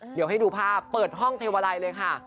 เดี๋ยวให้ดูภาพเปิดห้องเทวาลัยเลยค่ะ